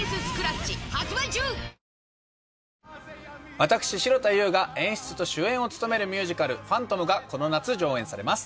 私城田優が演出と主演を務めるミュージカル『ファントム』がこの夏上演されます。